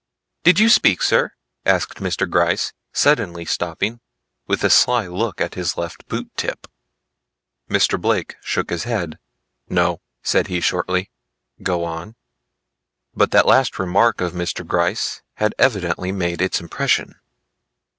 Did you speak sir?" asked Mr. Gryce suddenly stopping, with a sly look at his left boot tip. Mr. Blake shook his head. "No," said he shortly, "go on." But that last remark of Mr. Gryce had evidently made its impression.